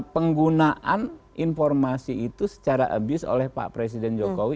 penggunaan informasi itu secara abuse oleh pak presiden jokowi